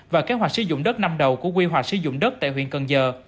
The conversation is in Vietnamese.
và kế hoạch sử dụng đất năm đầu của quy hoạch sử dụng đất tại huyện cần giờ